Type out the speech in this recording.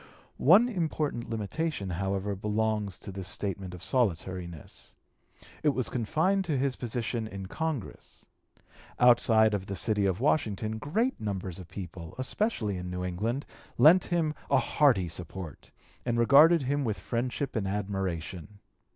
One important limitation, however, belongs to this statement of solitariness. It was confined to his position in Congress. Outside of the city of Washington great numbers of the people, especially in New England, lent him a hearty support and regarded him with friendship and admiration.